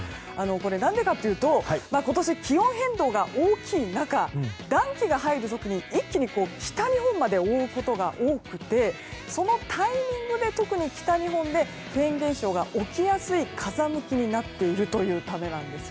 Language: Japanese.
何でかというと今年気温変動が大きい中暖気が入る時に一気に北日本まで覆うことが多くてそのタイミングで特に北日本でフェーン現象が起きやすい風向きになっているためなんです。